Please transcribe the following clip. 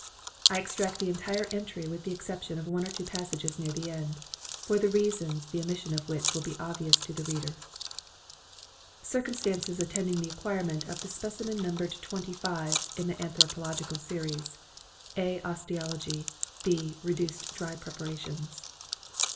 I extract the entry entire with the exception of one or two passages near the end, the reasons for the omission of which will be obvious to the reader. "Circumstances attending the acquirement of the specimen numbered 'twenty five' in the Anthropological Series (A. Osteology. B. Reduced dry preparations).